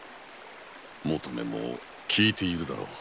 求馬も聞いているだろう。